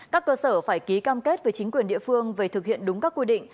các cơ sở phải ký cam kết với chính quyền địa phương về thực hiện đúng các quy định